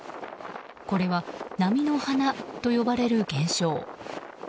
これは波の花と呼ばれる現象。